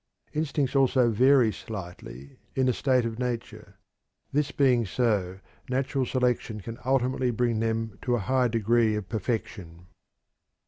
Instincts also vary slightly in a state of nature. This being so, natural selection can ultimately bring them to a high degree of perfection."